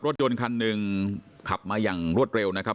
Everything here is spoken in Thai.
รถยนต์คันหนึ่งขับมาอย่างรวดเร็วนะครับ